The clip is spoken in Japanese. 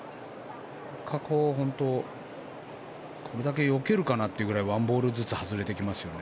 これだけよけるかなっていうぐらい１ボールずつ外れていきますね。